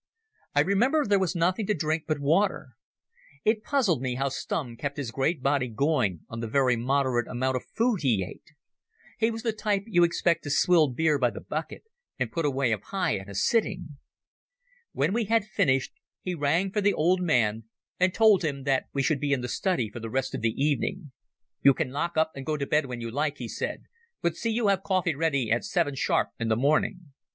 I remember there was nothing to drink but water. It puzzled me how Stumm kept his great body going on the very moderate amount of food he ate. He was the type you expect to swill beer by the bucket and put away a pie in a sitting. When we had finished, he rang for the old man and told him that we should be in the study for the rest of the evening. "You can lock up and go to bed when you like," he said, "but see you have coffee ready at seven sharp in the morning."